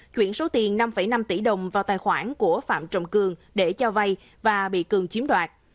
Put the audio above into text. chuyển số tiền năm năm tỷ đồng vào tài khoản của phạm trọng cường để cho vay và bị cường chiếm đoạt